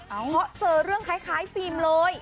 เพราะเจอเรื่องคล้ายฟิล์มเลย